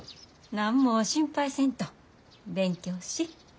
何も心配せんと勉強し。